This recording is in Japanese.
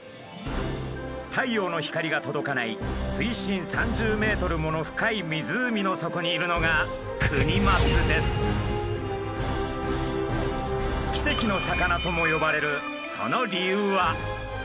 太陽の光が届かない水深３０ｍもの深い湖の底にいるのが奇跡の魚とも呼ばれるその理由は。